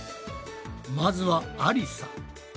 まずはありさ。